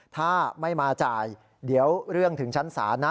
ถ้าไม่มาจ่ายเดี๋ยวเรื่องถึงชั้นศาลนะ